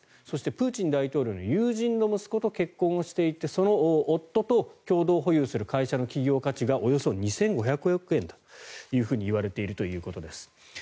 そして、プーチン大統領の友人の息子と結婚していてその夫と共同保有する会社の企業価値がおよそ２５００億円だと言われているということです。